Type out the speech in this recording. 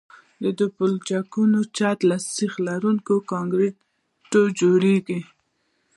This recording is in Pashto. د دې پلچکونو چت له سیخ لرونکي کانکریټو جوړیږي